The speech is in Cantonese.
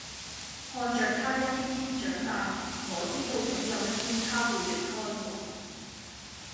看着他一天天長大，我知道總有一天他會離開我